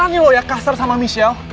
apaan sih lo ya kasar sama michelle